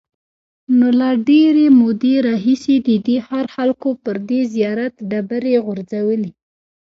نو له ډېرې مودې راهیسې د دې ښار خلکو پر دې زیارت ډبرې غورځولې.